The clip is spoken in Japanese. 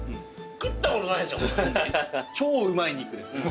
超うまい肉ですね